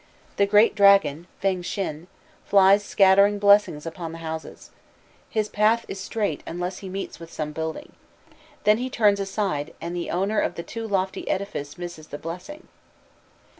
The great dragon, Feng Shin, flies scattering blessings upon the houses. His path is straight, unless he meets with some building. Then he turns aside, and the owner of the too lofty edifice misses the blessing.